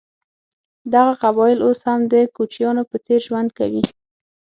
دغه قبایل اوس هم د کوچیانو په څېر ژوند کوي.